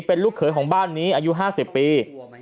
เป็นลูกเขยของบ้านนี้อายุ๕๐ปี